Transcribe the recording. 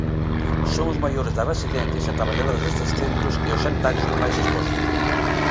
Son os maiores das residencias e traballadores destes centros e os sanitarios máis expostos.